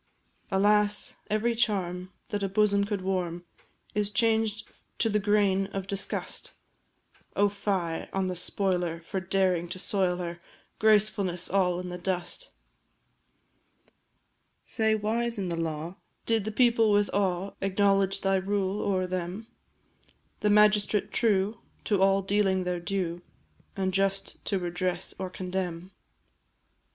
Alas every charm that a bosom could warm Is changed to the grain of disgust! Oh, fie on the spoiler for daring to soil her Gracefulness all in the dust! Say, wise in the law, did the people with awe Acknowledge thy rule o'er them A magistrate true, to all dealing their due, And just to redress or condemn?